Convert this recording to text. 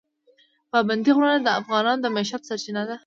پابندی غرونه د افغانانو د معیشت سرچینه ده.